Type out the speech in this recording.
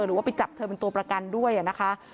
หรือว่าไปจับเธอเป็นตัวประกันด้วยนะคะ